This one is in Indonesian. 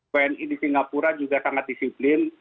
wni di singapura juga sangat disiplin